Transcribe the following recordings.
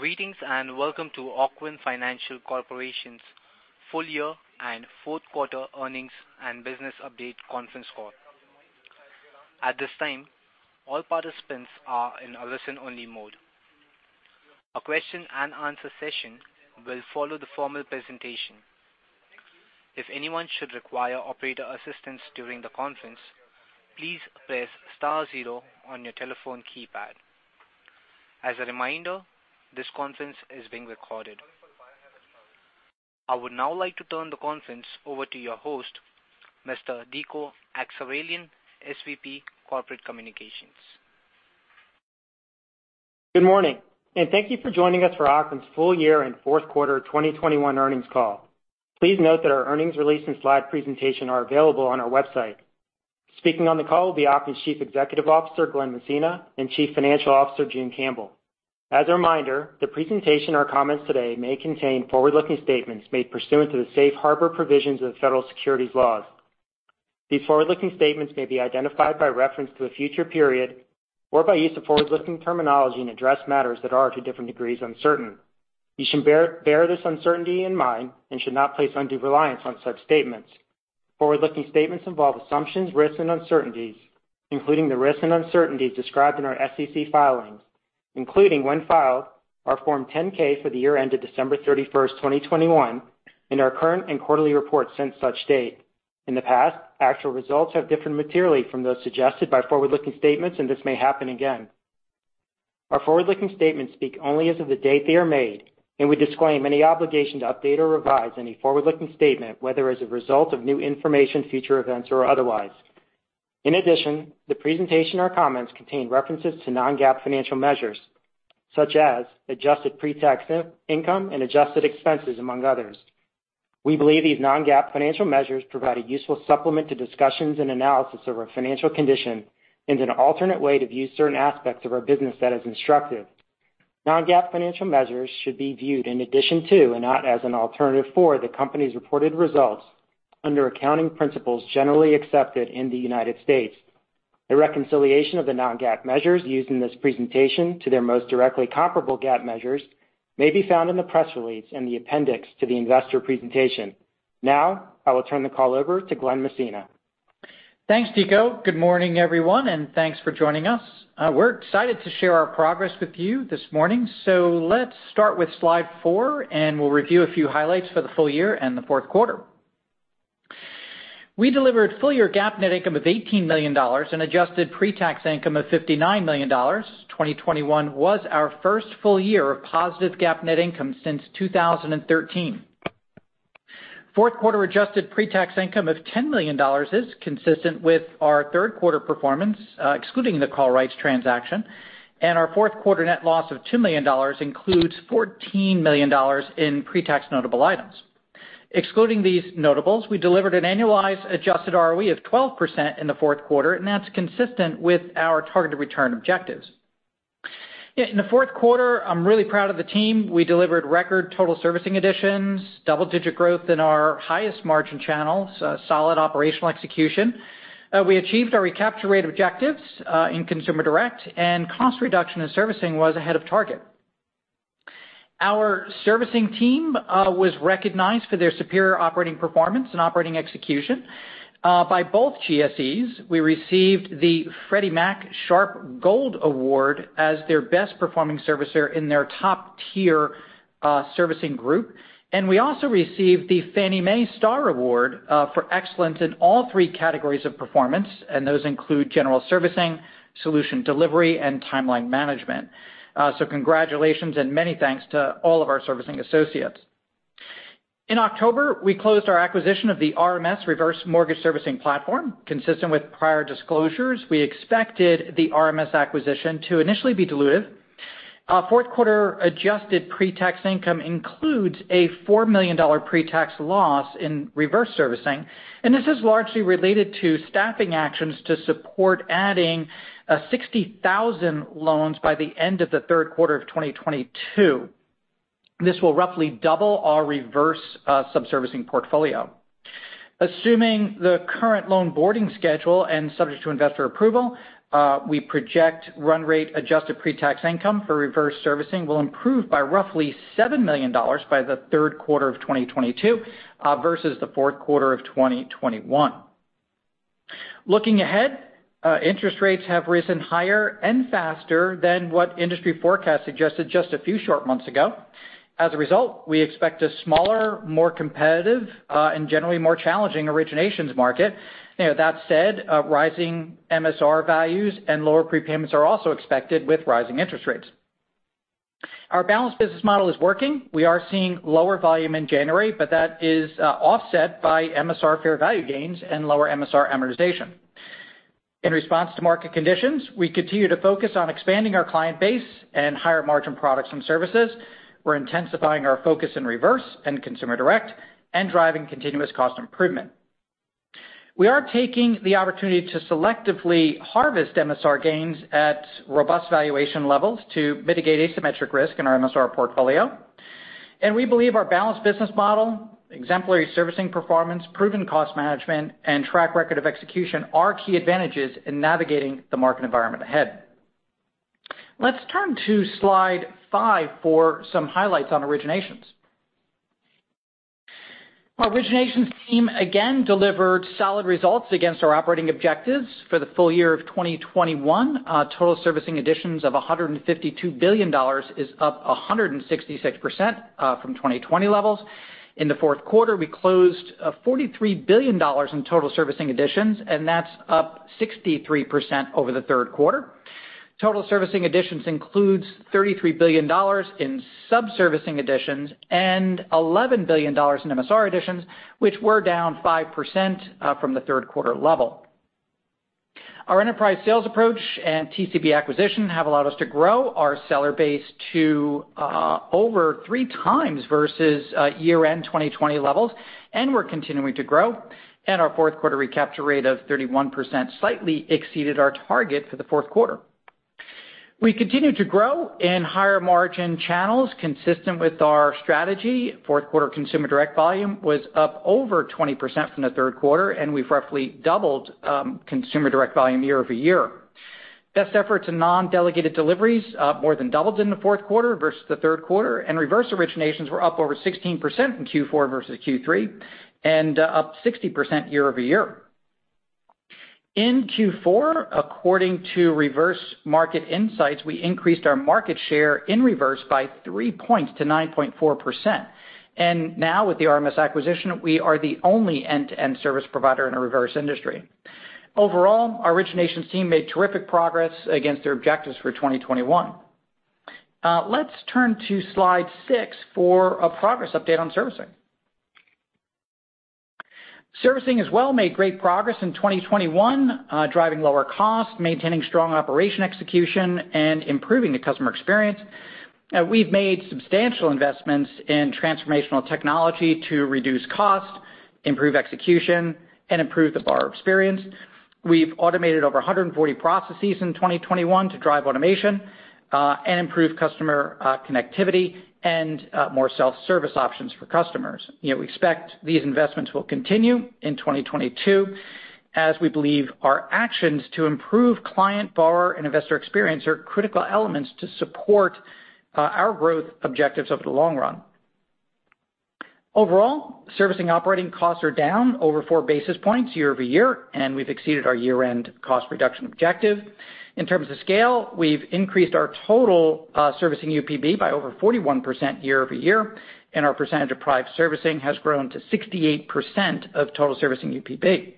Greetings, and welcome to Ocwen Financial Corporation's full year and fourth quarter earnings and business update conference call. At this time, all participants are in a listen-only mode. A question and answer session will follow the formal presentation. If anyone should require operator assistance during the conference, please press star zero on your telephone keypad. As a reminder, this conference is being recorded. I would now like to turn the conference over to your host, Mr. Dico Akseraylian, SVP Corporate Communications. Good morning, and thank you for joining us for Ocwen's full year and fourth quarter 2021 earnings call. Please note that our earnings release and slide presentation are available on our website. Speaking on the call will be Ocwen's Chief Executive Officer, Glen Messina, and Chief Financial Officer, June Campbell. As a reminder the presentation or comments today may contain forwarding-looking statement made pursuant to the safe harbor provisions of federal securities laws. These forward-looking statements may be identified with reference to a future period or by use of forward-looking terminology and address matters that are to different degrees uncertain. You should bear this uncertainty in mind and should not place under reliance on such statement. Forward-looking statements involve assumptions, risks, and uncertainties, including the risks and uncertainties described in our SEC filings, including, when filed, our Form 10-K for the year ended December 31, 2021, and our current and quarterly reports since such date. In the past, actual results have differed materially from those suggested by forward-looking statements, and this may happen again. Our forward-looking statements speak only as of the date they are made, and we disclaim any obligation to update or revise any forward-looking statement, whether as a result of new information, future events, or otherwise. In addition, the presentation or comments contain references to non-GAAP financial measures such as adjusted pre-tax income and adjusted expenses, among others. We believe these non-GAAP financial measures provide a useful supplement to discussions and analysis of our financial condition and an alternate way to view certain aspects of our business that is instructive. non-GAAP financial measures should be viewed in addition to, and not as an alternative for, the company's reported results under accounting principles generally accepted in the United States. A reconciliation of the non-GAAP measures used in this presentation to their most directly comparable GAAP measures may be found in the press release in the appendix to the investor presentation. Now, I will turn the call over to Glen Messina. Thanks, Diko. Good morning, everyone, and thanks for joining us. We're excited to share our progress with you this morning. Let's start with slide 4, and we'll review a few highlights for the full year and the fourth quarter. We delivered full year GAAP net income of $18 million and adjusted pre-tax income of $59 million. 2021 was our first full year of positive GAAP net income since 2013. Fourth quarter adjusted pre-tax income of $10 million is consistent with our third quarter performance, excluding the call rights transaction. Our fourth quarter net loss of $2 million includes $14 million in pre-tax notable items. Excluding these notables, we delivered an annualized adjusted ROE of 12% in the fourth quarter, and that's consistent with our targeted return objectives. In the fourth quarter, I'm really proud of the team. We delivered record total servicing additions, double-digit growth in our highest margin channels, solid operational execution. We achieved our recapture rate objectives in consumer direct, and cost reduction and servicing was ahead of target. Our servicing team was recognized for their superior operating performance and operating execution by both GSEs. We received the Freddie Mac SHARP Gold Award as their best performing servicer in their top tier servicing group. We also received the Fannie Mae STAR Award for excellence in all three categories of performance, and those include general servicing, solution delivery, and timeline management. Congratulations, and many thanks to all of our servicing associates. In October, we closed our acquisition of the Reverse Mortgage Solutions servicing platform. Consistent with prior disclosures, we expected the RMS acquisition to initially be dilutive. Our fourth quarter adjusted pre-tax income includes a $4 million pre-tax loss in reverse servicing, and this is largely related to staffing actions to support adding 60,000 loans by the end of the third quarter of 2022. This will roughly double our reverse subservicing portfolio. Assuming the current loan boarding schedule and subject to investor approval, we project run rate adjusted pre-tax income for reverse servicing will improve by roughly $7 million by the third quarter of 2022 versus the fourth quarter of 2021. Looking ahead, interest rates have risen higher and faster than what industry forecasts suggested just a few short months ago. As a result, we expect a smaller, more competitive, and generally more challenging originations market. You know, that said, rising MSR values and lower prepayments are also expected with rising interest rates. Our balanced business model is working. We are seeing lower volume in January, but that is offset by MSR fair value gains and lower MSR amortization. In response to market conditions, we continue to focus on expanding our client base and higher margin products and services. We're intensifying our focus in reverse and consumer direct and driving continuous cost improvement. We are taking the opportunity to selectively harvest MSR gains at robust valuation levels to mitigate asymmetric risk in our MSR portfolio. We believe our balanced business model, exemplary servicing performance, proven cost management, and track record of execution are key advantages in navigating the market environment ahead. Let's turn to slide 5 for some highlights on originations. Our originations team again delivered solid results against our operating objectives for the full year of 2021. Total servicing additions of $152 billion is up 166% from 2020 levels. In the fourth quarter, we closed $43 billion in total servicing additions, and that's up 63% over the third quarter. Total servicing additions includes $33 billion in subservicing additions and $11 billion in MSR additions, which were down 5% from the third quarter level. Our enterprise sales approach and TCB acquisition have allowed us to grow our seller base to over 3 times versus year-end 2020 levels, and we're continuing to grow. Our fourth quarter recapture rate of 31% slightly exceeded our target for the fourth quarter. We continue to grow in higher margin channels consistent with our strategy. Fourth quarter consumer direct volume was up over 20% from the third quarter, and we've roughly doubled consumer direct volume year over year. Best efforts and non-delegated deliveries more than doubled in the fourth quarter versus the third quarter, and reverse originations were up over 16% in Q4 versus Q3, and up 60% year over year. In Q4, according to Reverse Market Insight, we increased our market share in Reverse by three points to 9.4%. Now with the RMS acquisition, we are the only end-to-end service provider in the Reverse industry. Overall, our originations team made terrific progress against their objectives for 2021. Let's turn to slide 6 for a progress update on servicing. Servicing as well made great progress in 2021, driving lower costs, maintaining strong operation execution, and improving the customer experience. We've made substantial investments in transformational technology to reduce costs, improve execution, and improve the borrower experience. We've automated over 140 processes in 2021 to drive automation, and improve customer connectivity and more self-service options for customers. You know, we expect these investments will continue in 2022, as we believe our actions to improve client, borrower, and investor experience are critical elements to support our growth objectives over the long run. Overall, servicing operating costs are down over 4 basis points year-over-year, and we've exceeded our year-end cost reduction objective. In terms of scale, we've increased our total servicing UPB by over 41% year-over-year, and our percentage of private servicing has grown to 68% of total servicing UPB.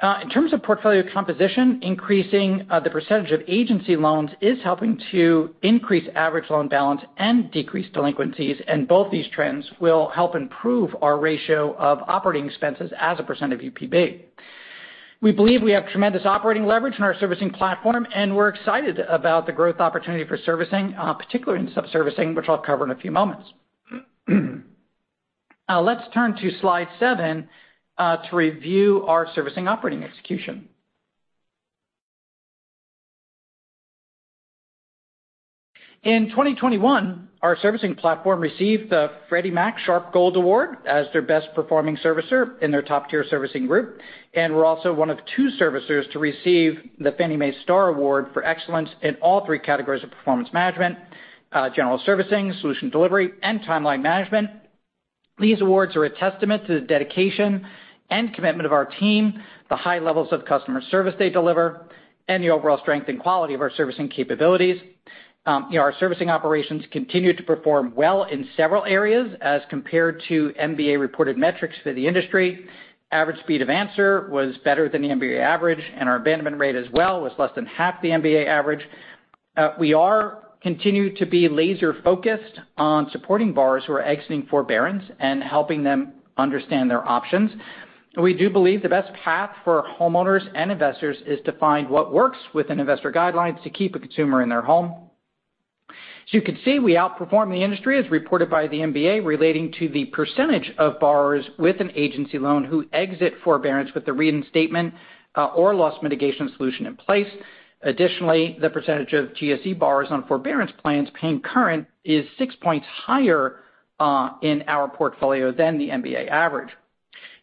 In terms of portfolio composition, increasing the percentage of agency loans is helping to increase average loan balance and decrease delinquencies, and both these trends will help improve our ratio of operating expenses as a % of UPB. We believe we have tremendous operating leverage in our servicing platform, and we're excited about the growth opportunity for servicing, particularly in subservicing, which I'll cover in a few moments. Let's turn to slide 7 to review our servicing operating execution. In 2021, our servicing platform received the Freddie Mac SHARP Gold Award as their best-performing servicer in their top-tier servicing group. We're also one of two servicers to receive the Fannie Mae STAR Award for excellence in all three categories of performance management, general servicing, solution delivery, and timeline management. These awards are a testament to the dedication and commitment of our team, the high levels of customer service they deliver, and the overall strength and quality of our servicing capabilities. You know, our servicing operations continued to perform well in several areas as compared to MBA-reported metrics for the industry. Average speed of answer was better than the MBA average, and our abandonment rate as well was less than half the MBA average. We are continued to be laser-focused on supporting borrowers who are exiting forbearance and helping them understand their options. We do believe the best path for homeowners and investors is to find what works within investor guidelines to keep a consumer in their home. As you can see, we outperform the industry as reported by the MBA relating to the percentage of borrowers with an agency loan who exit forbearance with the reinstatement, or loss mitigation solution in place. Additionally, the percentage of GSE borrowers on forbearance plans paying current is six points higher, in our portfolio than the MBA average.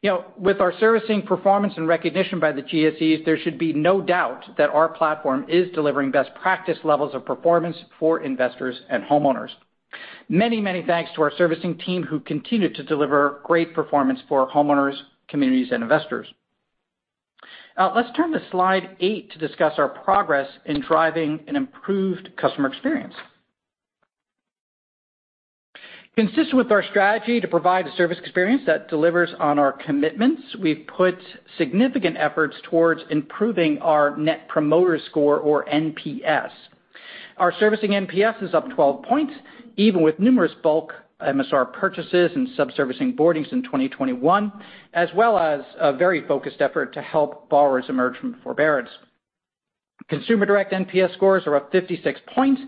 You know, with our servicing performance and recognition by the GSEs, there should be no doubt that our platform is delivering best practice levels of performance for investors and homeowners. Many, many thanks to our servicing team who continue to deliver great performance for homeowners, communities, and investors. Let's turn to slide eight to discuss our progress in driving an improved customer experience. Consistent with our strategy to provide a service experience that delivers on our commitments, we've put significant efforts towards improving our net promoter score or NPS. Our servicing NPS is up 12 points, even with numerous bulk MSR purchases and subservicing boardings in 2021, as well as a very focused effort to help borrowers emerge from forbearance. Consumer direct NPS scores are up 56 points,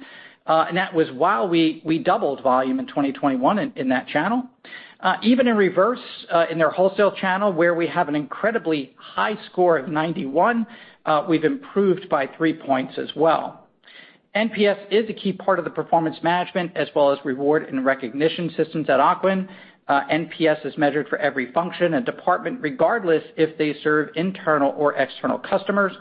and that was while we doubled volume in 2021 in that channel. Even in Reverse, in their wholesale channel, where we have an incredibly high score of 91, we've improved by 3 points as well. NPS is a key part of the performance management as well as reward and recognition systems at Ocwen. NPS is measured for every function and department, regardless if they serve internal or external customers.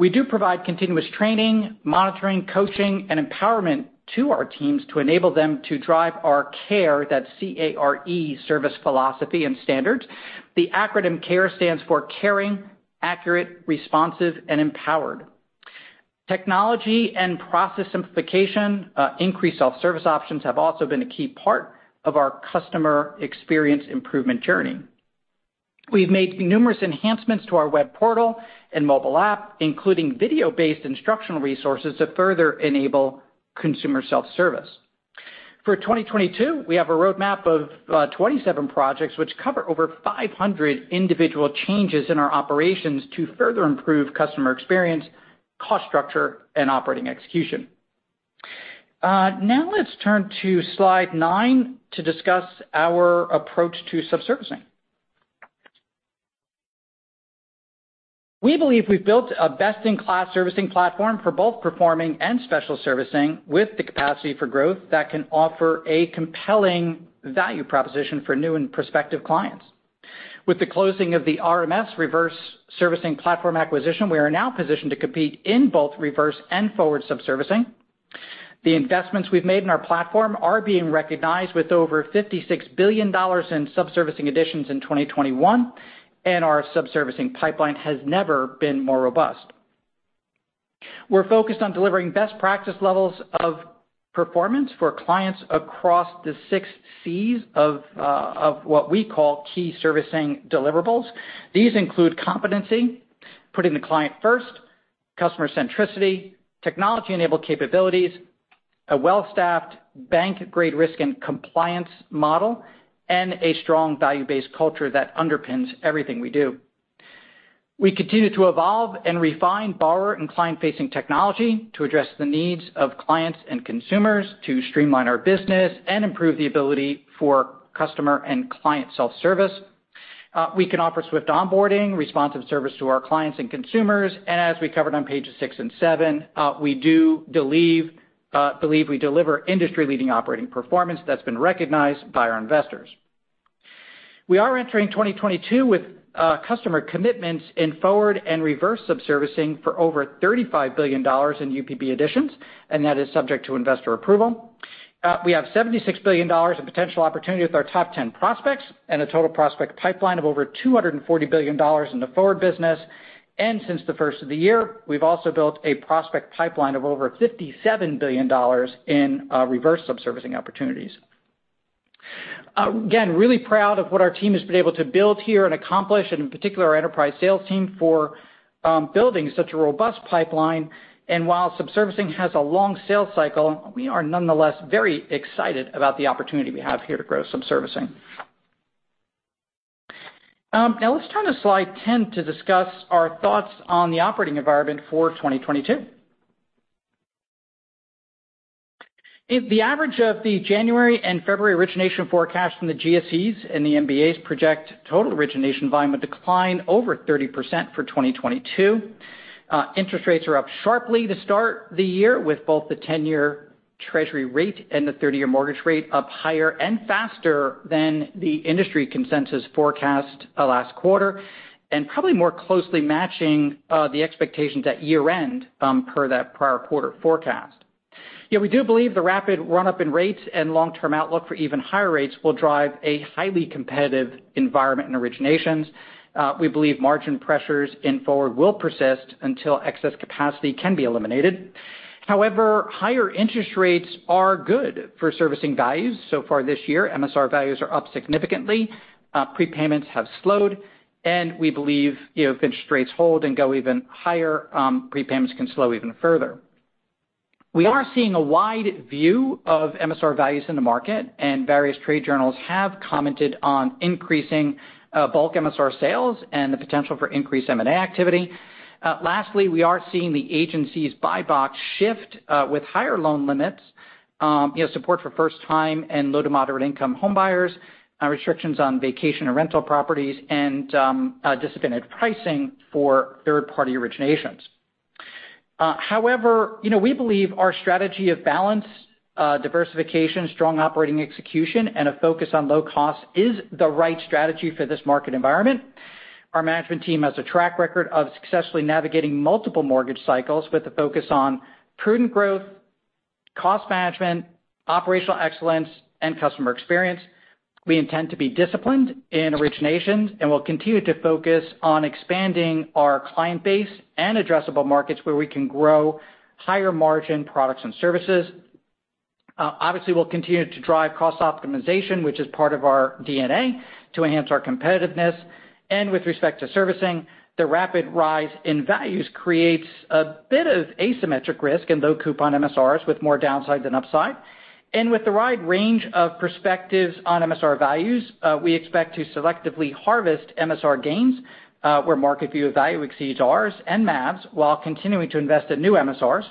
We do provide continuous training, monitoring, coaching, and empowerment to our teams to enable them to drive our CARE, that's C-A-R-E, service philosophy and standards. The acronym CARE stands for caring, accurate, responsive, and empowered. Technology and process simplification, increased self-service options have also been a key part of our customer experience improvement journey. We've made numerous enhancements to our web portal and mobile app, including video-based instructional resources to further enable consumer self-service. For 2022, we have a roadmap of 27 projects which cover over 500 individual changes in our operations to further improve customer experience, cost structure, and operating execution. Now let's turn to slide nine to discuss our approach to subservicing. We believe we've built a best-in-class servicing platform for both performing and special servicing with the capacity for growth that can offer a compelling value proposition for new and prospective clients. With the closing of the RMS Reverse Servicing platform acquisition, we are now positioned to compete in both reverse and forward subservicing. The investments we've made in our platform are being recognized with over $56 billion in subservicing additions in 2021, and our subservicing pipeline has never been more robust. We're focused on delivering best practice levels of performance for clients across the 6 Cs of what we call key servicing deliverables. These include competency, putting the client first, customer centricity, technology-enabled capabilities, a well-staffed bank-grade risk and compliance model, and a strong value-based culture that underpins everything we do. We continue to evolve and refine borrower and client-facing technology to address the needs of clients and consumers to streamline our business and improve the ability for customer and client self-service. We can offer swift onboarding, responsive service to our clients and consumers, and as we covered on pages 6 and 7, we do believe we deliver industry-leading operating performance that's been recognized by our investors. We are entering 2022 with customer commitments in forward and reverse subservicing for over $35 billion in UPB additions, and that is subject to investor approval. We have $76 billion in potential opportunity with our top 10 prospects and a total prospect pipeline of over $240 billion in the forward business. Since the first of the year, we've also built a prospect pipeline of over $57 billion in reverse subservicing opportunities. Again, really proud of what our team has been able to build here and accomplish, and in particular, our enterprise sales team for building such a robust pipeline. While subservicing has a long sales cycle, we are nonetheless very excited about the opportunity we have here to grow subservicing. Now let's turn to slide 10 to discuss our thoughts on the operating environment for 2022. If the average of the January and February origination forecast from the GSEs and the MBA's project total origination volume a decline over 30% for 2022. Interest rates are up sharply to start the year with both the 10-year treasury rate and the 30-year mortgage rate up higher and faster than the industry consensus forecast last quarter, and probably more closely matching the expectations at year-end per that prior quarter forecast. Yeah, we do believe the rapid run-up in rates and long-term outlook for even higher rates will drive a highly competitive environment in originations. We believe margin pressures in forward will persist until excess capacity can be eliminated. However, higher interest rates are good for servicing values. So far this year, MSR values are up significantly, prepayments have slowed, and we believe, if interest rates hold and go even higher, prepayments can slow even further. We are seeing a wide view of MSR values in the market, and various trade journals have commented on increasing, bulk MSR sales and the potential for increased M&A activity. Lastly, we are seeing the agency's buy box shift, with higher loan limits, you know, support for first-time and low to moderate income home buyers, restrictions on vacation or rental properties and, disciplined pricing for third-party originations. However, you know, we believe our strategy of balance, diversification, strong operating execution, and a focus on low cost is the right strategy for this market environment. Our management team has a track record of successfully navigating multiple mortgage cycles with a focus on prudent growth, cost management, operational excellence, and customer experience. We intend to be disciplined in originations, and we'll continue to focus on expanding our client base and addressable markets where we can grow higher margin products and services. Obviously, we'll continue to drive cost optimization, which is part of our DNA, to enhance our competitiveness. With respect to servicing, the rapid rise in values creates a bit of asymmetric risk in low coupon MSRs with more downside than upside. With the wide range of perspectives on MSR values, we expect to selectively harvest MSR gains, where market view value exceeds ours and MAV's, while continuing to invest in new MSRs.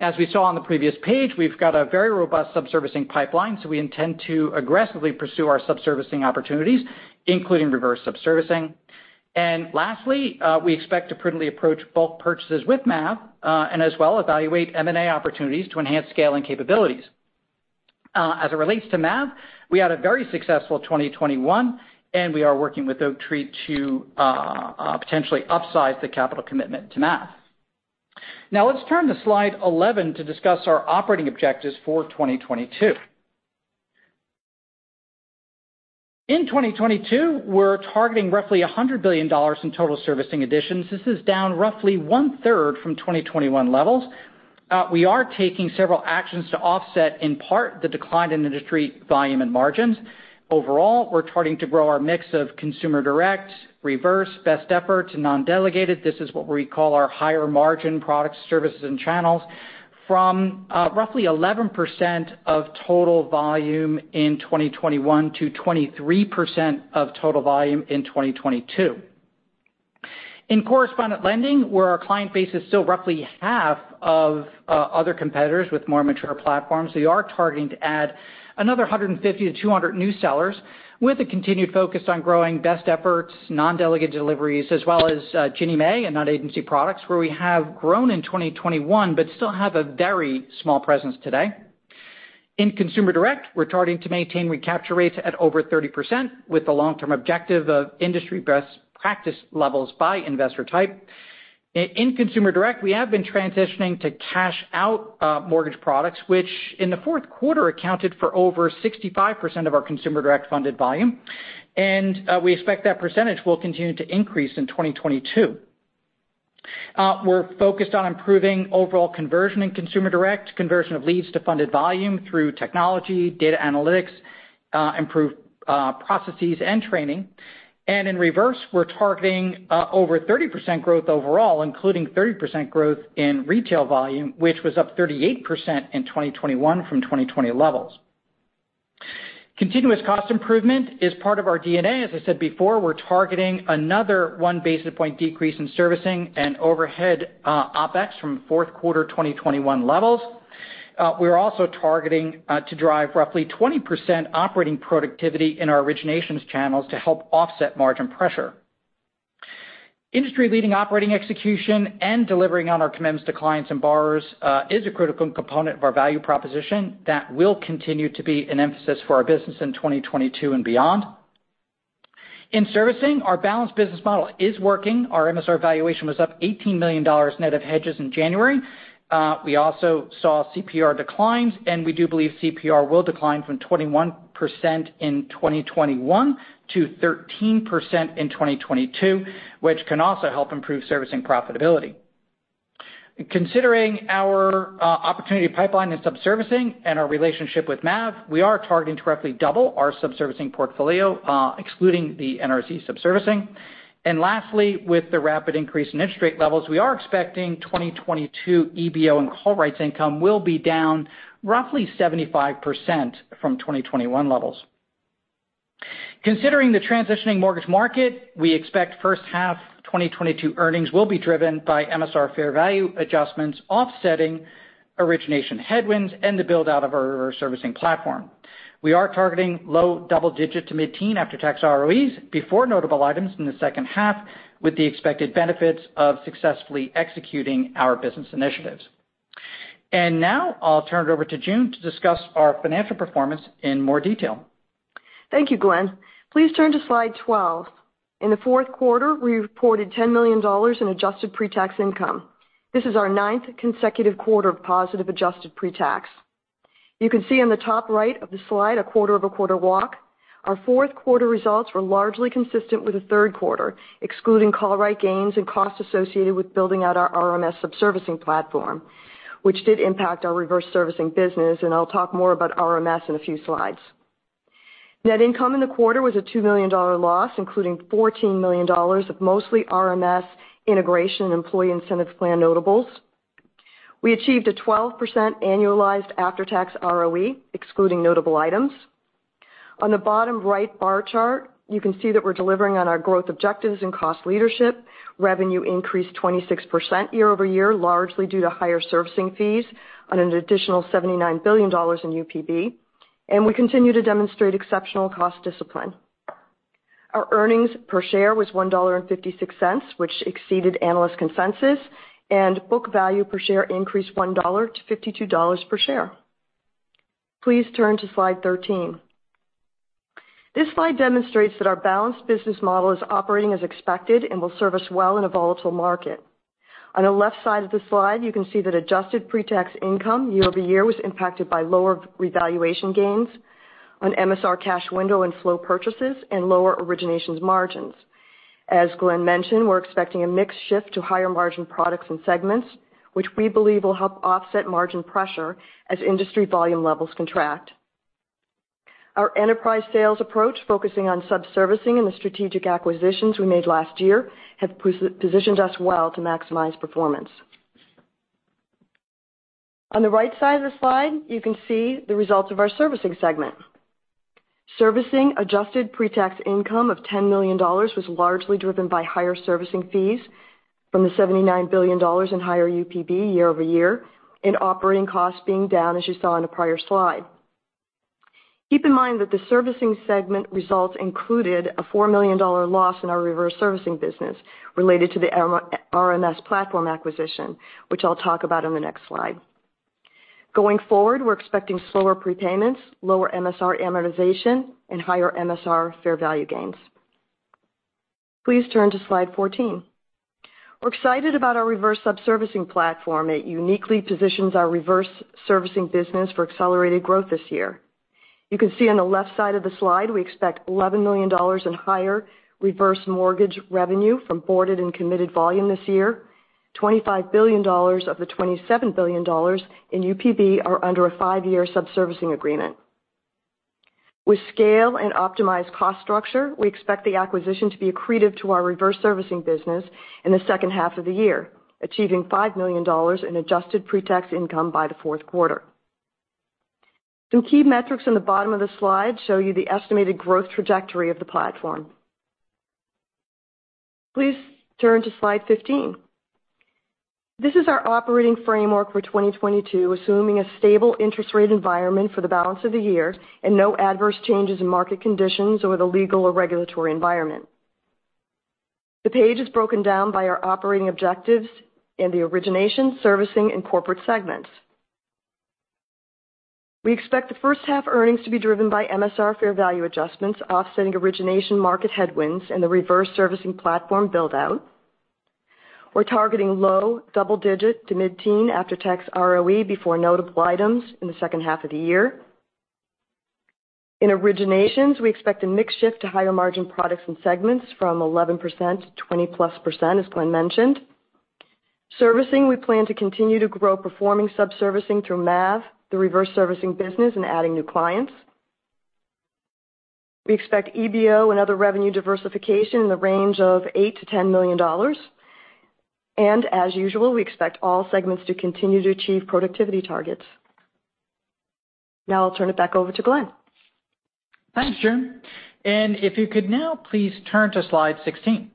As we saw on the previous page, we've got a very robust subservicing pipeline, so we intend to aggressively pursue our subservicing opportunities, including reverse subservicing. Lastly, we expect to prudently approach bulk purchases with MAV, and as well evaluate M&A opportunities to enhance scale and capabilities. As it relates to MAV, we had a very successful 2021, and we are working with Oaktree to potentially upsize the capital commitment to MAV. Now let's turn to slide 11 to discuss our operating objectives for 2022. In 2022, we're targeting roughly $100 billion in total servicing additions. This is down roughly one-third from 2021 levels. We are taking several actions to offset, in part, the decline in industry volume and margins. Overall, we're targeting to grow our mix of consumer direct, reverse, best efforts, and non-delegated. This is what we call our higher margin products, services, and channels from roughly 11% of total volume in 2021 to 23% of total volume in 2022. In correspondent lending, where our client base is still roughly half of other competitors with more mature platforms, we are targeting to add another 150-200 new sellers with a continued focus on growing best efforts, non-delegated deliveries, as well as Ginnie Mae and non-agency products where we have grown in 2021 but still have a very small presence today. In consumer direct, we're targeting to maintain recapture rates at over 30% with the long-term objective of industry best practice levels by investor type. In consumer direct, we have been transitioning to cash out mortgage products, which in the fourth quarter accounted for over 65% of our consumer direct funded volume, and we expect that percentage will continue to increase in 2022. We're focused on improving overall conversion in consumer direct, conversion of leads to funded volume through technology, data analytics, improved processes, and training. In reverse, we're targeting over 30% growth overall, including 30% growth in retail volume, which was up 38% in 2021 from 2020 levels. Continuous cost improvement is part of our DNA. As I said before, we're targeting another 1 basis point decrease in servicing and overhead OpEx from fourth quarter 2021 levels. We're also targeting to drive roughly 20% operating productivity in our originations channels to help offset margin pressure. Industry-leading operating execution and delivering on our commitments to clients and borrowers is a critical component of our value proposition that will continue to be an emphasis for our business in 2022 and beyond. In servicing, our balanced business model is working. Our MSR valuation was up $18 million net of hedges in January. We also saw CPR declines, and we do believe CPR will decline from 21% in 2021 to 13% in 2022, which can also help improve servicing profitability. Considering our opportunity pipeline in subservicing and our relationship with MAV, we are targeting to roughly double our subservicing portfolio, excluding the NRZ subservicing. Lastly, with the rapid increase in interest rate levels, we are expecting 2022 EBO and call rights income will be down roughly 75% from 2021 levels. Considering the transitioning mortgage market, we expect first half 2022 earnings will be driven by MSR fair value adjustments offsetting origination headwinds and the build-out of our reverse servicing platform. We are targeting low double digit to mid-teen after-tax ROEs before notable items in the second half with the expected benefits of successfully executing our business initiatives. Now I'll turn it over to June to discuss our financial performance in more detail. Thank you, Glenn. Please turn to slide 12. In the fourth quarter, we reported $10 million in adjusted pre-tax income. This is our ninth consecutive quarter of positive adjusted pre-tax. You can see on the top right of the slide a quarter-over-quarter walk. Our fourth quarter results were largely consistent with the third quarter, excluding call rate gains and costs associated with building out our RMS subservicing platform, which did impact our reverse servicing business, and I'll talk more about RMS in a few slides. Net income in the quarter was a $2 million loss, including $14 million of mostly RMS integration and employee incentive plan notables. We achieved a 12% annualized after-tax ROE, excluding notable items. On the bottom right bar chart, you can see that we're delivering on our growth objectives and cost leadership. Revenue increased 26% year-over-year, largely due to higher servicing fees on an additional $79 billion in UPB. We continue to demonstrate exceptional cost discipline. Our earnings per share was $1.56, which exceeded analyst consensus, and book value per share increased $1 to $52 per share. Please turn to slide 13. This slide demonstrates that our balanced business model is operating as expected and will serve us well in a volatile market. On the left side of the slide, you can see that adjusted pre-tax income year-over-year was impacted by lower revaluation gains on MSR cash window and slow purchases and lower originations margins. As Glenn mentioned, we're expecting a mix shift to higher margin products and segments, which we believe will help offset margin pressure as industry volume levels contract. Our enterprise sales approach, focusing on subservicing and the strategic acquisitions we made last year, has positioned us well to maximize performance. On the right side of the slide, you can see the results of our servicing segment. Servicing adjusted pre-tax income of $10 million was largely driven by higher servicing fees from the $79 billion in higher UPB year-over-year and operating costs being down, as you saw in the prior slide. Keep in mind that the servicing segment results included a $4 million loss in our reverse servicing business related to the RMS platform acquisition, which I'll talk about in the next slide. Going forward, we're expecting slower prepayments, lower MSR amortization, and higher MSR fair value gains. Please turn to slide 14. We're excited about our reverse subservicing platform. It uniquely positions our reverse servicing business for accelerated growth this year. You can see on the left side of the slide we expect $11 million in higher reverse mortgage revenue from boarded and committed volume this year. $25 billion of the $27 billion in UPB are under a 5-year sub-servicing agreement. With scale and optimized cost structure, we expect the acquisition to be accretive to our reverse servicing business in the second half of the year, achieving $5 million in adjusted pre-tax income by the fourth quarter. Some key metrics in the bottom of the slide show you the estimated growth trajectory of the platform. Please turn to slide 15. This is our operating framework for 2022, assuming a stable interest rate environment for the balance of the year and no adverse changes in market conditions or the legal or regulatory environment. The page is broken down by our operating objectives in the Origination, Servicing, and Corporate segments. We expect the first half earnings to be driven by MSR fair value adjustments, offsetting origination market headwinds and the reverse servicing platform build-out. We're targeting low double-digit to mid-teen after-tax ROE before notable items in the second half of the year. In originations, we expect a mix shift to higher margin products and segments from 11% to 20+%, as Glenn mentioned. Servicing, we plan to continue to grow performing sub-servicing through Mav, the reverse servicing business, and adding new clients. We expect EBO and other revenue diversification in the range of $8 million-$10 million. As usual, we expect all segments to continue to achieve productivity targets. Now I'll turn it back over to Glenn. Thanks, June. If you could now please turn to slide 16.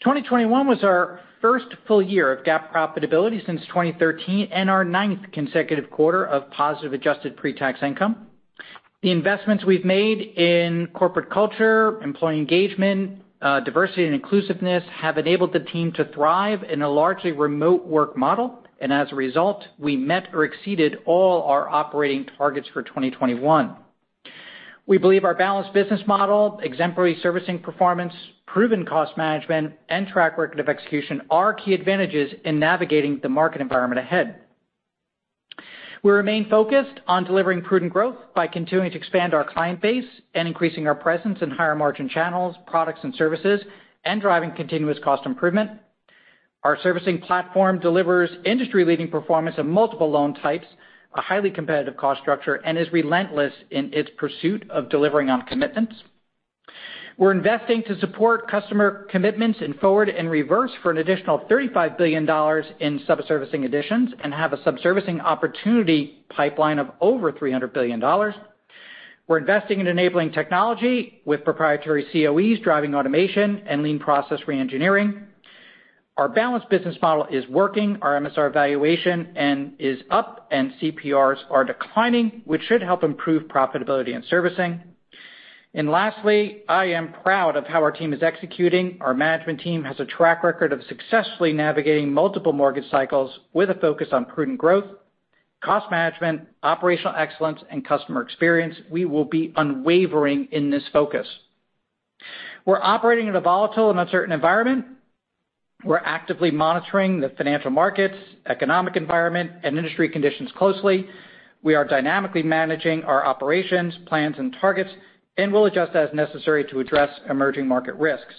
2021 was our first full year of GAAP profitability since 2013 and our ninth consecutive quarter of positive adjusted pre-tax income. The investments we've made in corporate culture, employee engagement, diversity and inclusiveness have enabled the team to thrive in a largely remote work model, and as a result, we met or exceeded all our operating targets for 2021. We believe our balanced business model, exemplary servicing performance, proven cost management, and track record of execution are key advantages in navigating the market environment ahead. We remain focused on delivering prudent growth by continuing to expand our client base and increasing our presence in higher margin channels, products and services, and driving continuous cost improvement. Our servicing platform delivers industry-leading performance of multiple loan types, a highly competitive cost structure, and is relentless in its pursuit of delivering on commitments. We're investing to support customer commitments in forward and reverse for an additional $35 billion in sub-servicing additions and have a sub-servicing opportunity pipeline of over $300 billion. We're investing in enabling technology with proprietary COEs, driving automation and lean process reengineering. Our balanced business model is working, our MSR valuation is up, and CPRs are declining, which should help improve profitability and servicing. Lastly, I am proud of how our team is executing. Our management team has a track record of successfully navigating multiple mortgage cycles with a focus on prudent growth, cost management, operational excellence, and customer experience. We will be unwavering in this focus. We're operating in a volatile and uncertain environment. We're actively monitoring the financial markets, economic environment, and industry conditions closely. We are dynamically managing our operations, plans, and targets, and we'll adjust as necessary to address emerging market risks.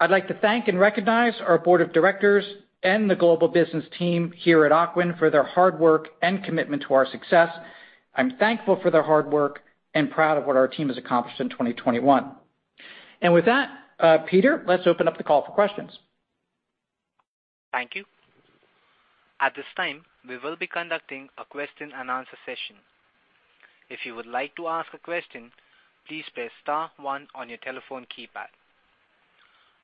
I'd like to thank and recognize our board of directors and the global business team here at Ocwen for their hard work and commitment to our success. I'm thankful for their hard work and proud of what our team has accomplished in 2021. With that, Peter, let's open up the call for questions. Thank you. At this time, we will be conducting a question and answer session. If you would like to ask a question, please press star one on your telephone keypad.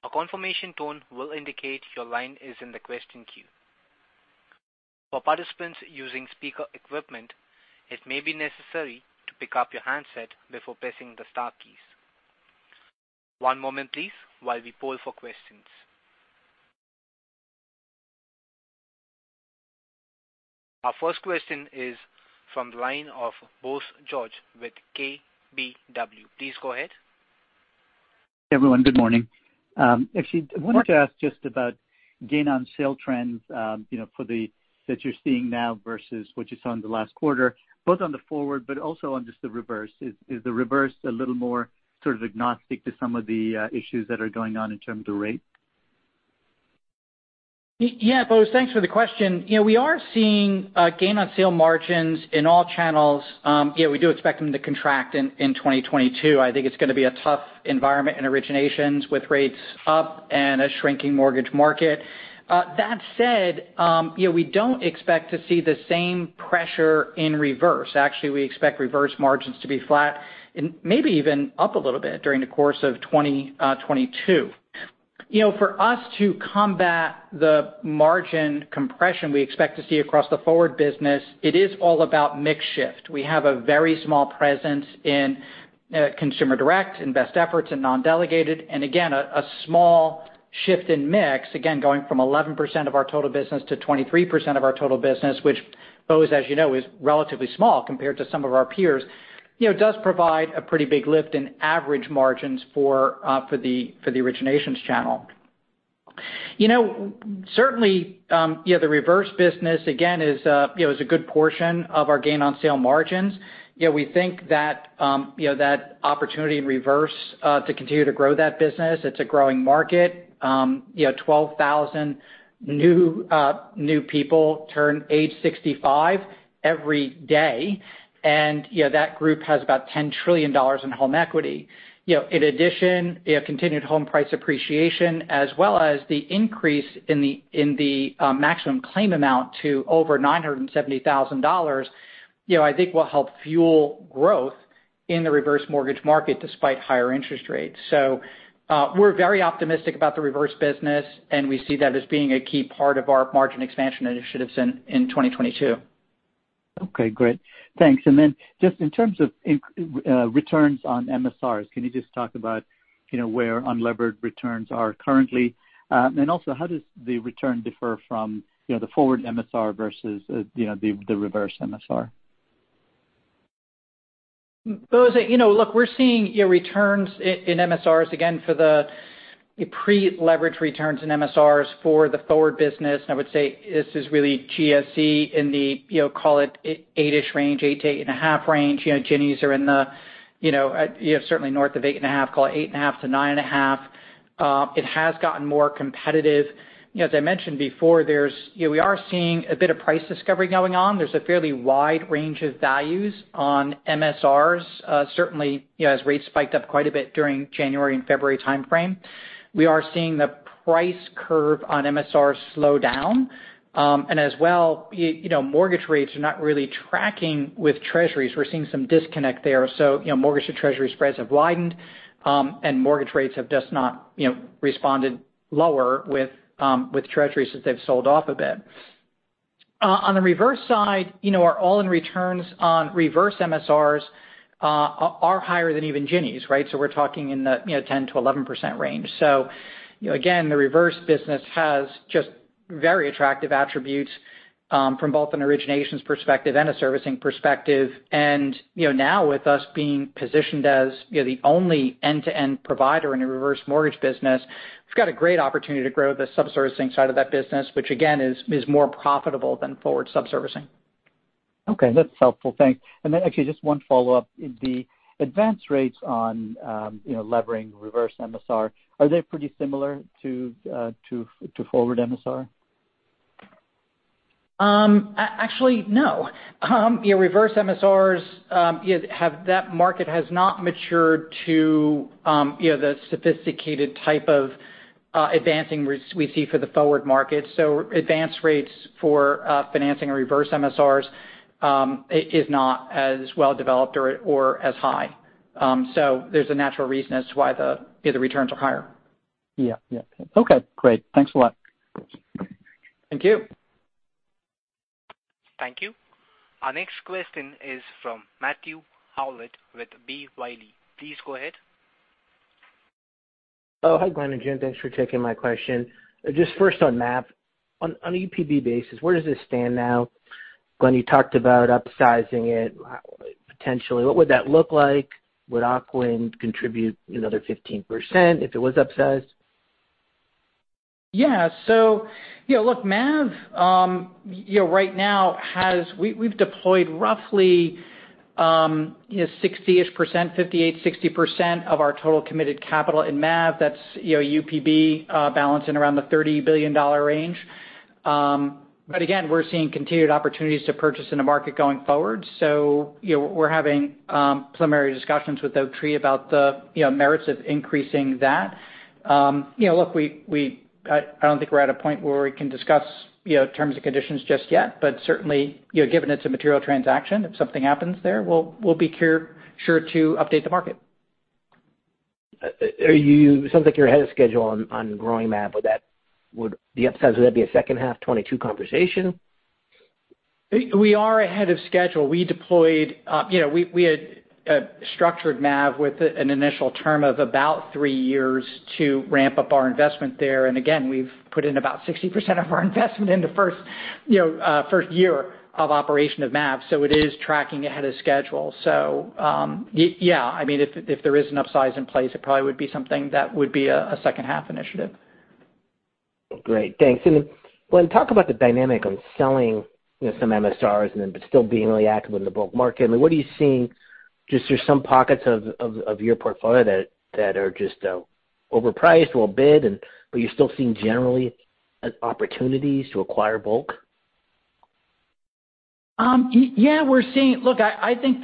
A confirmation tone will indicate your line is in the question queue. For participants using speaker equipment, it may be necessary to pick up your handset before pressing the star keys. One moment, please, while we poll for questions. Our first question is from the line of Bose George with KBW. Please go ahead. Everyone, good morning. Morning. I wanted to ask just about gain on sale trends, you know, for that you're seeing now versus what you saw in the last quarter, both on the forward but also on just the reverse. Is the reverse a little more sort of agnostic to some of the issues that are going on in terms of the rate? Yeah, Bose, thanks for the question. You know, we are seeing gain on sale margins in all channels. Yeah, we do expect them to contract in 2022. I think it's gonna be a tough environment in originations with rates up and a shrinking mortgage market. That said, you know, we don't expect to see the same pressure in reverse. Actually, we expect reverse margins to be flat and maybe even up a little bit during the course of 2022. You know, for us to combat the margin compression we expect to see across the forward business, it is all about mix shift. We have a very small presence in consumer direct, in best efforts and non-delegated. A small shift in mix, again, going from 11% of our total business to 23% of our total business, which Bose, as you know, is relatively small compared to some of our peers, you know, does provide a pretty big lift in average margins for the originations channel. You know, certainly, the reverse business again is a good portion of our gain on sale margins. You know, we think that that opportunity in reverse to continue to grow that business, it's a growing market. 12,000 new people turn 65 every day, and, you know, that group has about $10 trillion in home equity. You know, in addition, they have continued home price appreciation as well as the increase in the maximum claim amount to over $970,000, you know, I think will help fuel growth in the reverse mortgage market despite higher interest rates. We're very optimistic about the reverse business, and we see that as being a key part of our margin expansion initiatives in 2022. Okay. Great. Thanks. Just in terms of returns on MSRs, can you just talk about, you know, where unlevered returns are currently? Also, how does the return differ from, you know, the forward MSR versus, you know, the reverse MSR? Bose, you know, look, we're seeing, you know, returns in MSRs again for the pre-leveraged returns in MSRs for the forward business. I would say this is really GSE in the, you know, call it 8%-ish range, 8%-8.5% range. You know, Ginnie Maes are in the, you know, certainly north of 8.5%, call it 8.5%-9.5%. It has gotten more competitive. You know, as I mentioned before, there's, you know, we are seeing a bit of price discovery going on. There's a fairly wide range of values on MSRs. Certainly, you know, as rates spiked up quite a bit during January and February timeframe. We are seeing the price curve on MSR slow down. And as well, you know, mortgage rates are not really tracking with treasuries. We're seeing some disconnect there. You know, mortgage to treasury spreads have widened, and mortgage rates have just not, you know, responded lower with treasuries as they've sold off a bit. On the reverse side, you know, our all-in returns on reverse MSRs are higher than even Ginnie Maes, right? We're talking in the, you know, 10%-11% range. You know, again, the reverse business has just very attractive attributes from both an originations perspective and a servicing perspective. You know, now with us being positioned as, you know, the only end-to-end provider in a reverse mortgage business, we've got a great opportunity to grow the sub-servicing side of that business, which again, is more profitable than forward sub-servicing. Okay. That's helpful. Thanks. Actually just one follow-up. The advance rates on, you know, levering reverse MSR, are they pretty similar to forward MSR? Actually, no. You know, reverse MSRs, you know, that market has not matured to, you know, the sophisticated type of advancing rates we see for the forward market. So advance rates for financing reverse MSRs is not as well developed or as high. So there's a natural reason as to why the, you know, the returns are higher. Yeah. Yeah. Okay, great. Thanks a lot. Thank you. Thank you. Our next question is from Matthew Howlett with B. Riley. Please go ahead. Oh, hi, Glenn and June. Thanks for taking my question. Just first on MAV, on a UPB basis, where does this stand now? Glenn, you talked about upsizing it potentially. What would that look like? Would Ocwen contribute another 15% if it was upsized? Yeah. You know, look, MAV right now, we've deployed roughly 60-ish%, 58, 60% of our total committed capital in MAV. That's you know, UPB balancing around the $30 billion range. Again, we're seeing continued opportunities to purchase in the market going forward. You know, we're having preliminary discussions with Oaktree about the you know, merits of increasing that. You know, look, I don't think we're at a point where we can discuss you know, terms and conditions just yet, but certainly, you know, given it's a material transaction, if something happens there, we'll be sure to update the market. Sounds like you're ahead of schedule on growing MAV. Would the upside be a second half 2022 conversation? We are ahead of schedule. We deployed we had structured MAV with an initial term of about 3 years to ramp up our investment there. Again, we've put in about 60% of our investment in the first year of operation of MAV. It is tracking ahead of schedule. Yeah, I mean, if there is an upsize in place, it probably would be something that would be a second half initiative. Great. Thanks. When you talk about the dynamic on selling, you know, some MSRs and then but still being really active in the bulk market, I mean, what are you seeing? Just there's some pockets of your portfolio that are just overpriced or bid and but you're still seeing generally opportunities to acquire bulk? Yeah, we're seeing. Look, I think,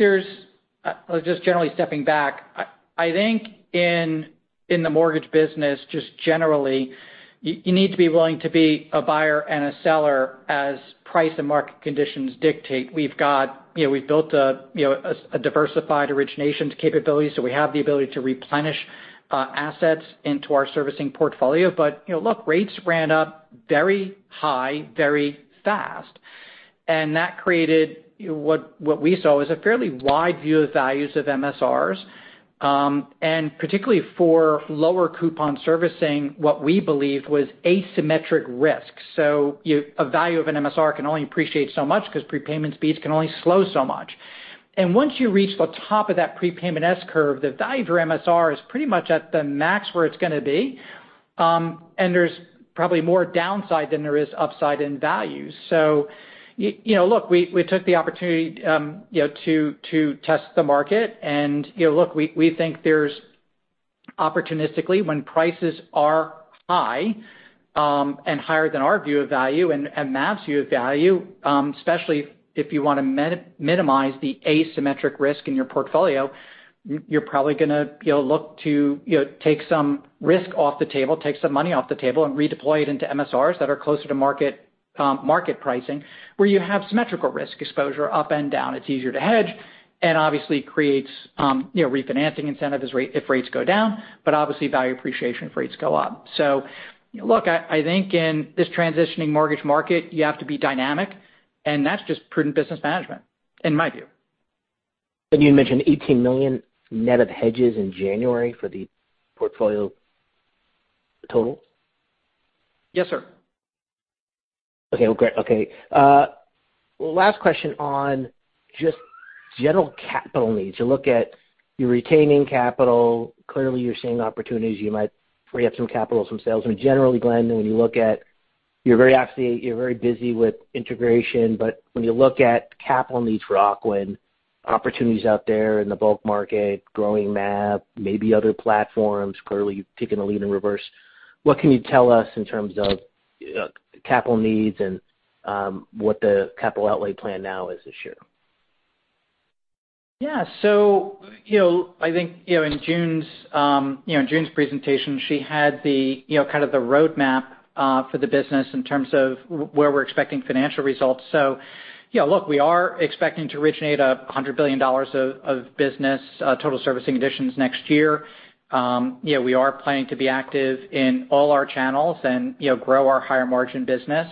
just generally stepping back, I think in the mortgage business, just generally, you need to be willing to be a buyer and a seller as price and market conditions dictate. We've got, you know, we've built a, you know, a diversified originations capabilities, so we have the ability to replenish assets into our servicing portfolio. You know, look, rates ran up very high, very fast. That created what we saw as a fairly wide view of values of MSRs, and particularly for lower coupon servicing what we believe was asymmetric risk. A value of an MSR can only appreciate so much because prepayment speeds can only slow so much. Once you reach the top of that prepayment S curve, the value for MSR is pretty much at the max where it's gonna be, and there's probably more downside than there is upside in value. You know, look, we took the opportunity, you know, to test the market. You know, look, we think there's opportunistically when prices are high, and higher than our view of value and MAV's view of value, especially if you wanna minimize the asymmetric risk in your portfolio, you're probably gonna, you know, look to take some risk off the table, take some money off the table, and redeploy it into MSRs that are closer to market pricing, where you have symmetrical risk exposure up and down. It's easier to hedge and obviously creates refinancing incentive as if rates go down, but obviously value appreciation if rates go up. Look, I think in this transitioning mortgage market, you have to be dynamic, and that's just prudent business management in my view. You mentioned $18 million net of hedges in January for the portfolio total? Yes, sir. Okay. Well, great. Okay. Last question on just general capital needs. You look at, you're retaining capital. Clearly, you're seeing opportunities. You might free up some capital, some sales. But generally, Glenn, when you look at, you're very busy with integration. But when you look at capital needs for Ocwen, opportunities out there in the bulk market, growing MAV, maybe other platforms, clearly taking the lead in reverse, what can you tell us in terms of capital needs and what the capital outlay plan now is this year? Yeah. You know, I think in June's presentation, she had the roadmap for the business in terms of where we're expecting financial results. Yeah, look, we are expecting to originate $100 billion of business, total servicing additions next year. You know, we are planning to be active in all our channels and grow our higher margin business.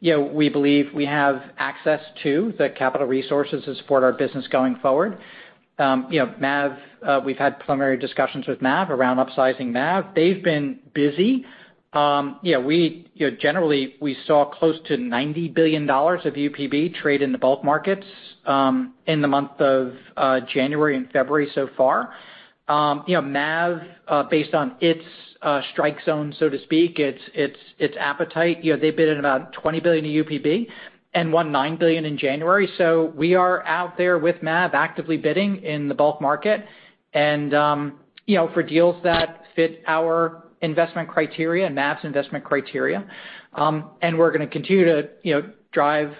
You know, we believe we have access to the capital resources to support our business going forward. You know, MAV, we've had preliminary discussions with MAV around upsizing MAV. They've been busy. You know, we generally saw close to $90 billion of UPB trade in the bulk markets in the month of January and February so far. You know, MAV based on its strike zone, so to speak, its appetite, you know, they bid in about 20 billion in UPB and won 9 billion in January. We are out there with MAV actively bidding in the bulk market and, you know, for deals that fit our investment criteria and MAV's investment criteria. We're gonna continue to, you know, drive,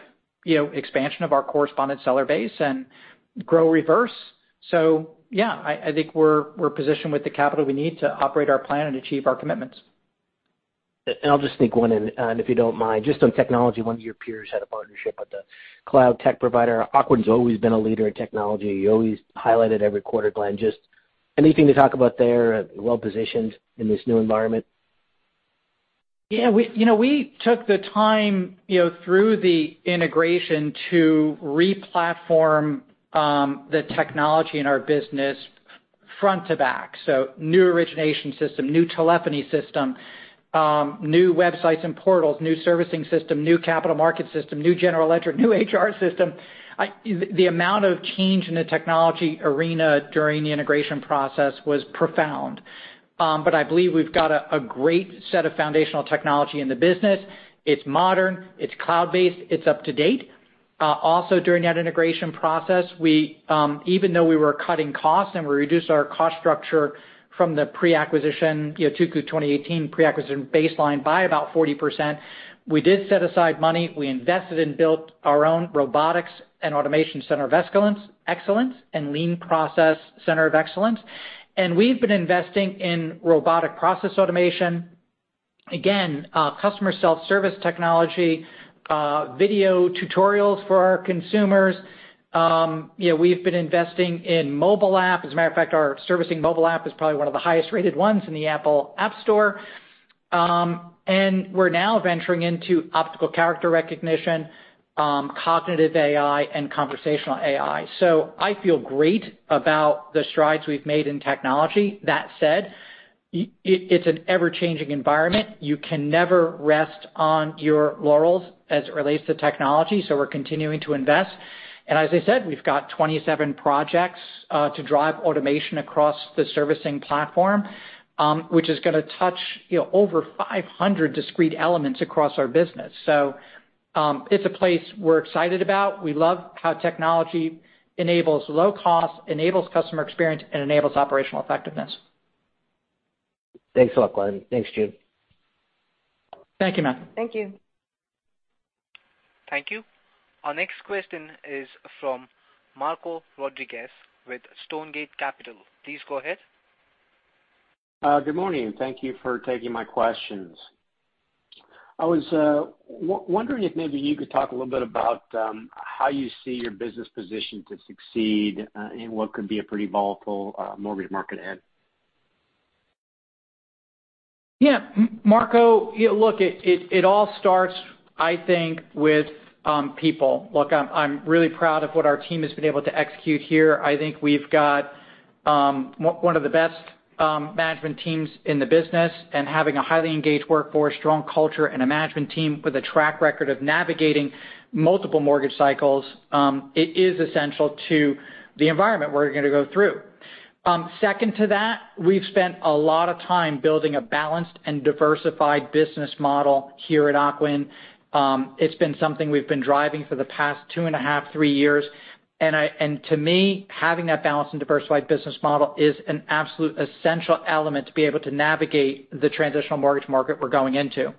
you know, expansion of our correspondent seller base and grow reverse. Yeah, I think we're positioned with the capital we need to operate our plan and achieve our commitments. I'll just sneak one in, and if you don't mind, just on technology. One of your peers had a partnership with a cloud tech provider. Ocwen's always been a leader in technology. You always highlight it every quarter, Glenn. Just anything to talk about there, well-positioned in this new environment? Yeah. We, you know, we took the time, you know, through the integration to re-platform the technology in our business front to back. New origination system, new telephony system, new websites and portals, new servicing system, new capital market system, new general ledger, new HR system. The amount of change in the technology arena during the integration process was profound. I believe we've got a great set of foundational technology in the business. It's modern, it's cloud-based, it's up to date. Also during that integration process, we even though we were cutting costs and we reduced our cost structure from the pre-acquisition, you know, 2Q 2018 pre-acquisition baseline by about 40%, we did set aside money. We invested and built our own robotics and automation center of excellence and lean process center of excellence. We've been investing in robotic process automation, again, customer self-service technology, video tutorials for our consumers. You know, we've been investing in mobile app. As a matter of fact, our servicing mobile app is probably one of the highest rated ones in the Apple App Store. We're now venturing into optical character recognition, cognitive AI, and conversational AI. So I feel great about the strides we've made in technology. That said, it's an ever-changing environment. You can never rest on your laurels as it relates to technology, so we're continuing to invest. As I said, we've got 27 projects to drive automation across the servicing platform, which is gonna touch, you know, over 500 discrete elements across our business. So, it's a place we're excited about. We love how technology enables low cost, enables customer experience, and enables operational effectiveness. Thanks a lot, Glenn. Thanks, June. Thank you, Matt. Thank you. Thank you. Our next question is from Marco Rodriguez with Stonegate Capital. Please go ahead. Good morning. Thank you for taking my questions. I was wondering if maybe you could talk a little bit about how you see your business position to succeed in what could be a pretty volatile mortgage market ahead? Yeah. Marco, yeah, look, it all starts, I think, with people. Look, I'm really proud of what our team has been able to execute here. I think we've got one of the best management teams in the business, and having a highly engaged workforce, strong culture, and a management team with a track record of navigating multiple mortgage cycles, it is essential to the environment we're gonna go through. Second to that, we've spent a lot of time building a balanced and diversified business model here at Ocwen. It's been something we've been driving for the past 2.5-3 years. To me, having that balanced and diversified business model is an absolute essential element to be able to navigate the transitional mortgage market we're going into.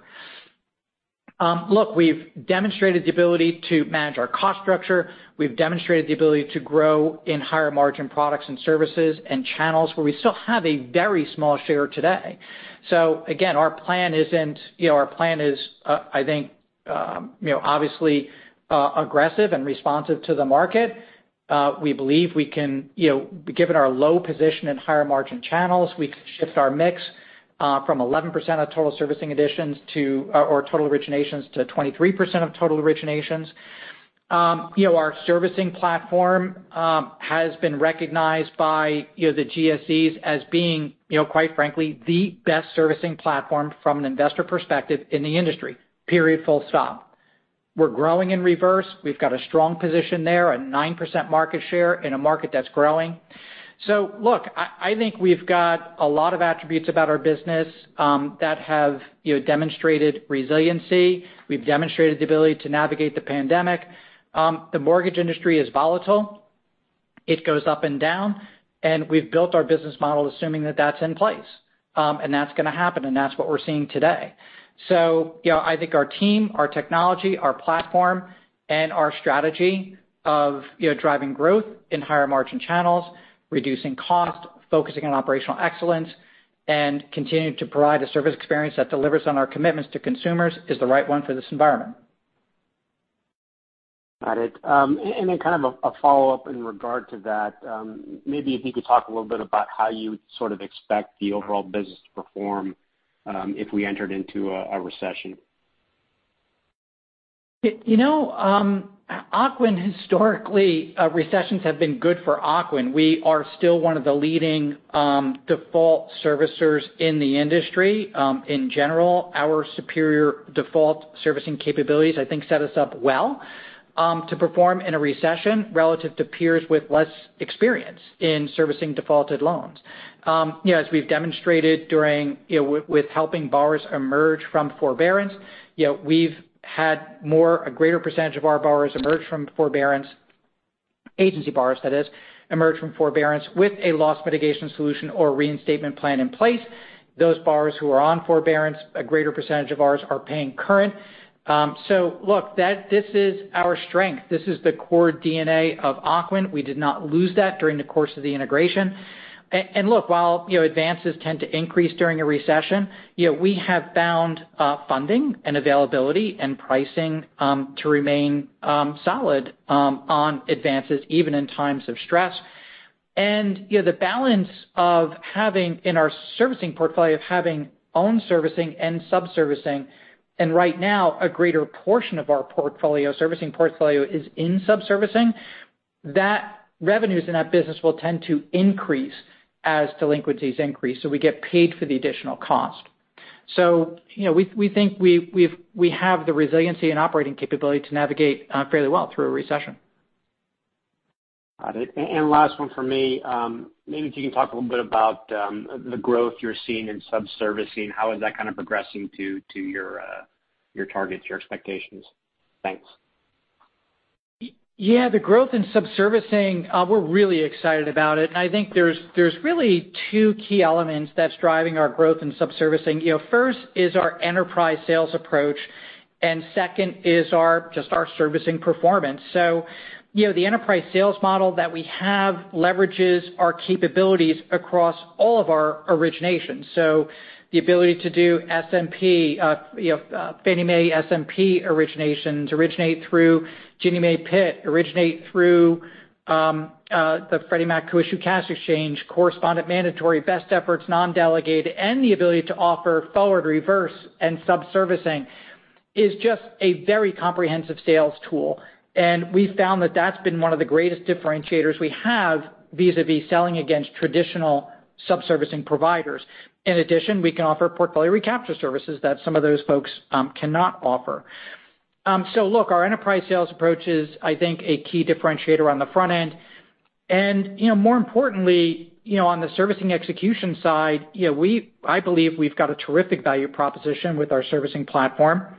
Look, we've demonstrated the ability to manage our cost structure, we've demonstrated the ability to grow in higher margin products and services and channels where we still have a very small share today. Again, our plan is, you know, I think, you know, obviously, aggressive and responsive to the market. We believe we can, you know, given our low position in higher margin channels, we can shift our mix, uh, from 11% of total servicing additions or total originations to 23% of total originations. You know, our servicing platform has been recognized by, you know, the GSEs as being, you know, quite frankly, the best servicing platform from an investor perspective in the industry, period, full stop. We're growing in reverse. We've got a strong position there, a 9% market share in a market that's growing. Look, I think we've got a lot of attributes about our business that have, you know, demonstrated resiliency. We've demonstrated the ability to navigate the pandemic. The mortgage industry is volatile. It goes up and down, and we've built our business model assuming that that's in place. That's gonna happen, and that's what we're seeing today. You know, I think our team, our technology, our platform, and our strategy of, you know, driving growth in higher margin channels, reducing cost, focusing on operational excellence, and continuing to provide a service experience that delivers on our commitments to consumers is the right one for this environment. Got it. Kind of a follow-up in regard to that, maybe if you could talk a little bit about how you sort of expect the overall business to perform, if we entered into a recession? You know, Ocwen historically, recessions have been good for Ocwen. We are still one of the leading default servicers in the industry. In general, our superior default servicing capabilities, I think, set us up well to perform in a recession relative to peers with less experience in servicing defaulted loans. You know, as we've demonstrated during with helping borrowers emerge from forbearance, you know, we've had a greater percentage of our borrowers emerge from forbearance, agency borrowers that is, emerge from forbearance with a loss mitigation solution or reinstatement plan in place. Those borrowers who are on forbearance, a greater percentage of ours are paying current. Look, this is our strength. This is the core DNA of Ocwen. We did not lose that during the course of the integration. Look, while, you know, advances tend to increase during a recession, you know, we have found funding and availability and pricing to remain solid on advances even in times of stress. You know, the balance of having, in our servicing portfolio, of having own servicing and subservicing, and right now, a greater portion of our portfolio, Servicing portfolio is in subservicing, that revenues in that business will tend to increase as delinquencies increase, so we get paid for the additional cost. You know, we think we have the resiliency and operating capability to navigate fairly well through a recession. Got it. Last one from me. Maybe if you can talk a little bit about the growth you're seeing in subservicing. How is that kind of progressing to your targets, your expectations? Thanks. Yeah. The growth in subservicing, we're really excited about it. I think there's really two key elements that's driving our growth in subservicing. You know, first is our enterprise sales approach, and second is our, just our servicing performance. You know, the enterprise sales model that we have leverages our capabilities across all of our originations. The ability to do SMP, you know, Fannie Mae SMP originations, originate through Ginnie Mae PIT, originate through the Freddie Mac Co-Issue Cash Exchange, correspondent mandatory, best efforts, non-delegated, and the ability to offer forward reverse and subservicing is just a very comprehensive sales tool. We found that that's been one of the greatest differentiators we have vis-a-vis selling against traditional subservicing providers. In addition, we can offer portfolio recapture services that some of those folks cannot offer. Look, our enterprise sales approach is, I think, a key differentiator on the front end. You know, more importantly, you know, on the servicing execution side, you know, I believe we've got a terrific value proposition with our servicing platform.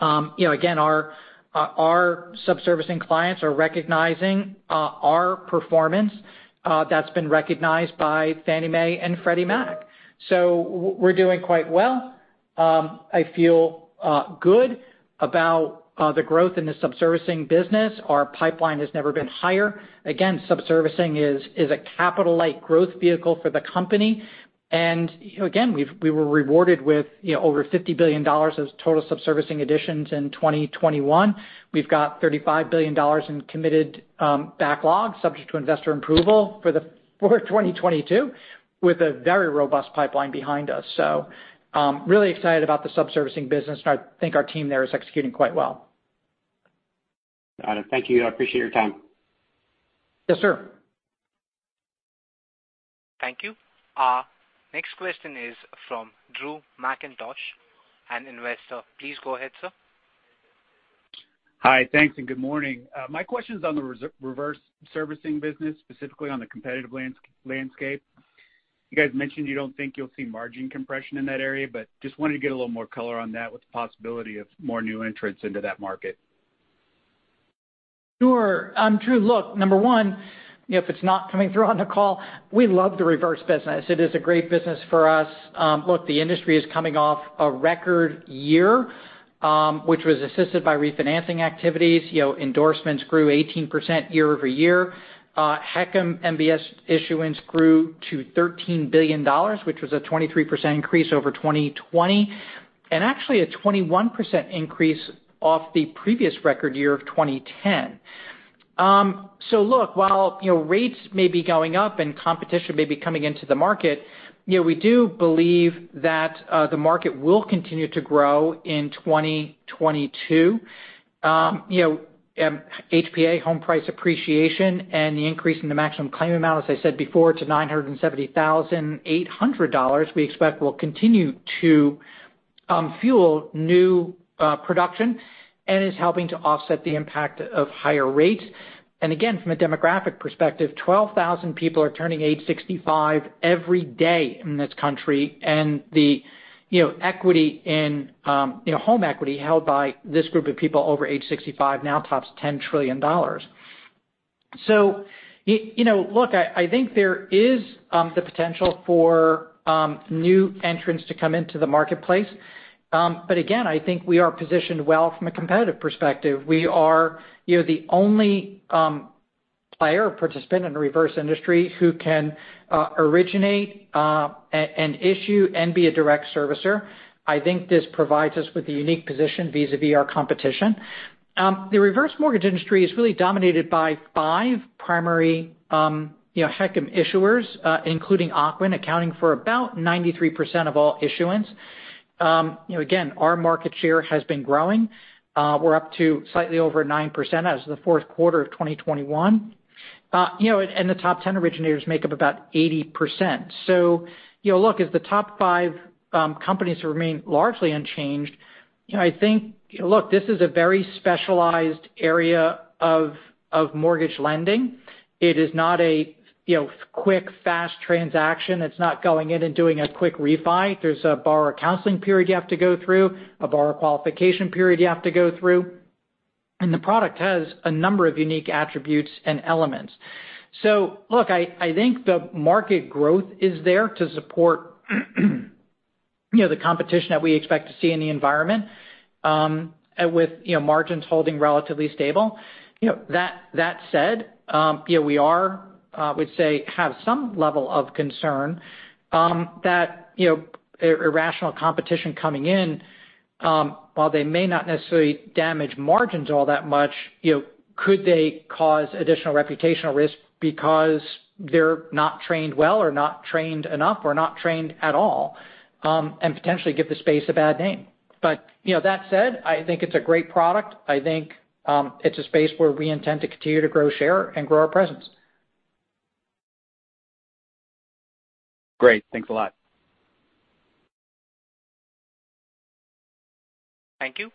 You know, again, our subservicing clients are recognizing our performance that's been recognized by Fannie Mae and Freddie Mac. We're doing quite well. I feel good about the growth in the subservicing business. Our pipeline has never been higher. Again, subservicing is a capital-light growth vehicle for the company. You know, again, we were rewarded with, you know, over $50 billion as total subservicing additions in 2021. We've got $35 billion in committed backlog subject to investor approval for 2022, with a very robust pipeline behind us. Really excited about the subservicing business, and I think our team there is executing quite well. Got it. Thank you. I appreciate your time. Yes, sir. Thank you. Our next question is from Drew Mackintosh, an investor. Please go ahead, sir. Hi. Thanks, and good morning. My question's on the reverse servicing business, specifically on the competitive landscape. You guys mentioned you don't think you'll see margin compression in that area, but just wanted to get a little more color on that with the possibility of more new entrants into that market. Sure. Drew, look, number one, if it's not coming through on the call, we love the reverse business. It is a great business for us. Look, the industry is coming off a record year, which was assisted by refinancing activities. You know, endorsements grew 18% year-over-year. HECM MBS issuance grew to $13 billion, which was a 23% increase over 2020, and actually a 21% increase off the previous record year of 2010. Look, while you know, rates may be going up and competition may be coming into the market, you know, we do believe that the market will continue to grow in 2022. You know, HPA, home price appreciation, and the increase in the maximum claim amount, as I said before, to $970,800, we expect will continue to fuel new production and is helping to offset the impact of higher rates. Again, from a demographic perspective, 12,000 people are turning age 65 every day in this country. The equity in home equity held by this group of people over age 65 now tops $10 trillion. You know, look, I think there is the potential for new entrants to come into the marketplace. But again, I think we are positioned well from a competitive perspective. We are, you know, the only player or participant in the reverse industry who can originate and issue and be a direct servicer. I think this provides us with a unique position vis-a-vis our competition. The reverse mortgage industry is really dominated by five primary, you know, HECM issuers, including Ocwen, accounting for about 93% of all issuance. You know, again, our market share has been growing. We're up to slightly over 9% as of the fourth quarter of 2021. You know, and the top 10 originators make up about 80%. You know, look, as the top five companies remain largely unchanged, you know, I think, look, this is a very specialized area of mortgage lending. It is not a, you know, quick, fast transaction. It's not going in and doing a quick refi. There's a borrower counseling period you have to go through, a borrower qualification period you have to go through, and the product has a number of unique attributes and elements. Look, I think the market growth is there to support, you know, the competition that we expect to see in the environment, with, you know, margins holding relatively stable. You know, that said, you know, we are, I would say, have some level of concern, that, you know, irrational competition coming in, while they may not necessarily damage margins all that much, you know, Could they cause additional reputational risk because they're not trained well or not trained enough or not trained at all, and potentially give the space a bad name. You know, that said, I think it's a great product. I think, it's a space where we intend to continue to grow share and grow our presence. Great. Thanks a lot. Thank you.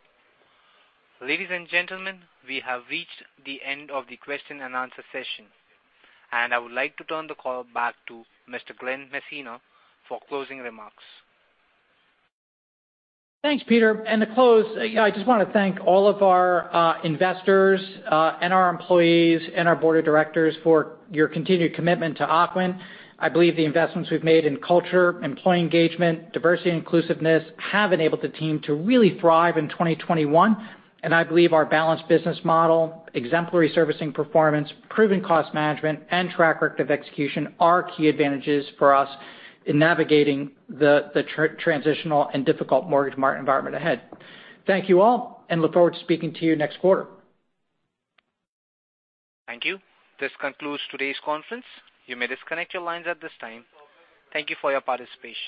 Ladies and gentlemen, we have reached the end of the question and answer session, and I would like to turn the call back to Mr. Glen Messina for closing remarks. Thanks, Peter. To close, I just wanna thank all of our investors, and our employees and our board of directors for your continued commitment to Ocwen. I believe the investments we've made in culture, employee engagement, diversity and inclusiveness have enabled the team to really thrive in 2021. I believe our balanced business model, exemplary servicing performance, proven cost management, and track record of execution are key advantages for us in navigating the transitional and difficult mortgage market environment ahead. Thank you all, and I look forward to speaking to you next quarter. Thank you. This concludes today's conference. You may disconnect your lines at this time. Thank you for your participation.